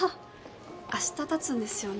明日たつんですよね？